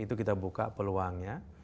itu kita buka peluangnya